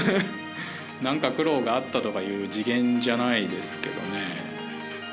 なんか苦労があったとかいう次元じゃないですけどね。